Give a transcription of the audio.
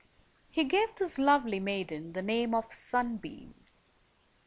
He gave this lovely maiden the name of Sunbeam.